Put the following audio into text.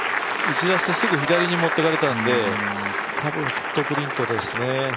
打ち出してすぐ左に持っていかれたので、多分フットプリントですね。